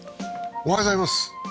おはようございます。